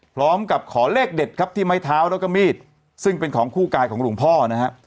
พร้อมกับขอเลขเด็ดครับที่ไม้เท้าแล้วก็มีดซึ่งเป็นของคู่กายของหลวงพ่อนะฮะ